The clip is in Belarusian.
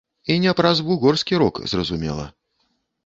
І не праз вугорскі рок, зразумела.